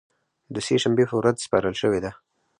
د سې شنبې په ورځ سپارل شوې ده